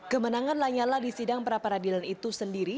kemenangan lanyala di sidang peraparadilan itu sendiri